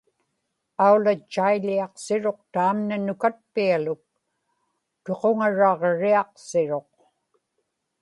aulatchaiḷiaqsiruq taamna nukatpialuk; tuquŋaraġriaqsiruq